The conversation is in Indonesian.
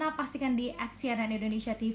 apakah eyang sudah ada di atsianandindonesiatv